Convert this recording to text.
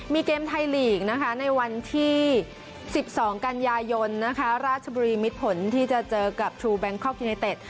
มีเกมไทยลีกนะคะในวันที่๑๒กันยายนราชบุรีมิดผลที่จะเจอกับทรูแบงคอกยูเนเต็ด